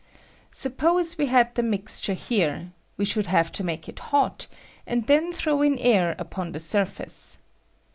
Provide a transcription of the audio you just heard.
Stippoae we had the mixture here ; we ahould have to make it hot, and then throw in air upon the surface.